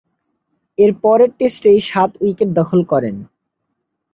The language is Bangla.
এর পরের টেস্টেই সাত উইকেট দখল করেন।